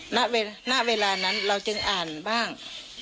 ณเวลานั้นเราจึงอ่านบ้าง